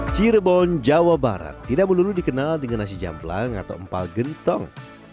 cirebon jawa barat tidak melulu dikenal dengan nasi jamblang atau empal gentong